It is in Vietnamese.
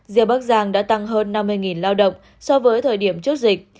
giữa bắc giang đã tăng hơn năm mươi lao động so với thời điểm trước dịch